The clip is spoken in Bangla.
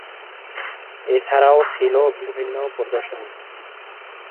এ ছাড়াও ছিল বিভিন্ন প্রদর্শনী।